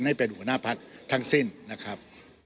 ให้เป็นหัวหน้าพักทั้งสิ้นนะครับ